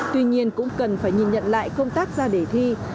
tuy nhiên cũng cần phải nhìn nhận lại công tác ra đề thi